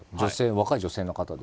若い女性の方で。